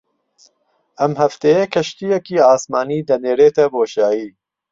ئەم هەفتەیە کەشتییەکی ئاسمانی دەنێرێتە بۆشایی